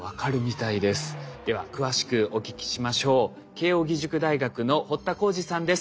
慶應義塾大学の堀田耕司さんです。